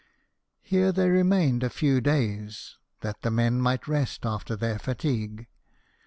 Here they remained a few days, that the men might rest after their fatigue.